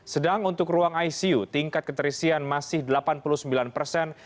sedang untuk ruang icu tingkat keterisian masih delapan puluh sembilan persen